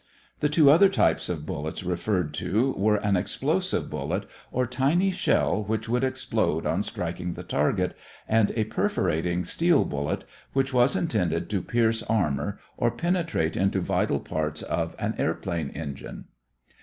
The two other types of bullets referred to were an explosive bullet or tiny shell which would explode on striking the target and a perforating steel bullet which was intended to pierce armor or penetrate into vital parts of an airplane engine.